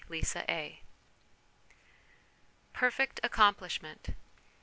WRITING Perfect Accomplishment.